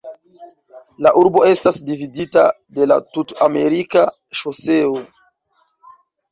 La urbo estas dividita de la Tut-Amerika Ŝoseo.